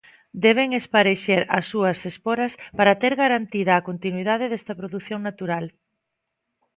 Deben esparexer as súas esporas para ter garantida a continuidade desta produción natural.